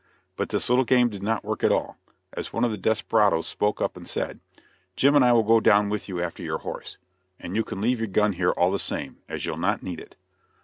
But this little game did not work at all, as one of the desperadoes spoke up and said: "Jim and I will go down with you after your horse, and you can leave your gun here all the same, as you'll not need it."